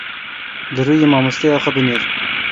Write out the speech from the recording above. Li rûyê mamosteya xwe binêrin.